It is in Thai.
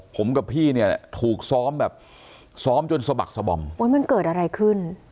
ผมกับพี่เนี่ยถูกซ้อมแบบซ้อมจนสะบักสบอมโอ้ยมันเกิดอะไรขึ้น